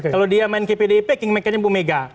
kalau dia main kpdip kingmaker nya bu mega